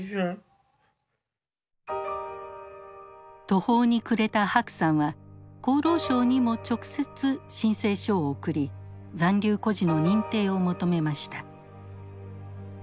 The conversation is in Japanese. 途方に暮れた白さんは厚労省にも直接申請書を送り残留孤児の認定を求めました。